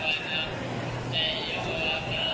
สวัสดีครับ